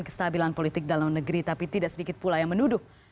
kestabilan politik dalam negeri tapi tidak sedikit pula yang menuduh